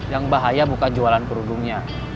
yang bahaya bukan jualan kerudungnya